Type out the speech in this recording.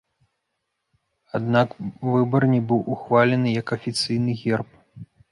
Аднак, выбар не быў ухвалены як афіцыйны герб.